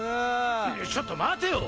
いやちょっと待てよ！